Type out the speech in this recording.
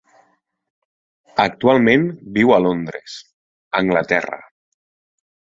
Actualment viu a Londres, Anglaterra.